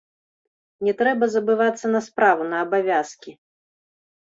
Не трэба забывацца на справу, на абавязкі.